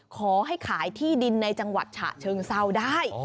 ขอให้ขายที่ดินในจังหวัดฉะเชิงเศร้าได้